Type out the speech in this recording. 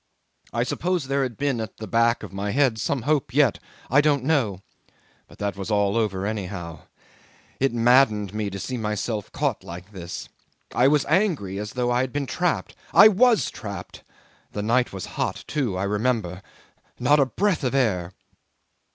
I suppose there had been at the back of my head some hope yet. I don't know. But that was all over anyhow. It maddened me to see myself caught like this. I was angry, as though I had been trapped. I was trapped! The night was hot, too, I remember. Not a breath of air."